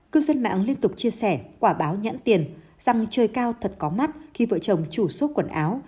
cư dân mạng liên tục chia sẻ quả báo nhãn tiền rằng trời cao thật có mắt khi vợ chồng chủ xốp quần áo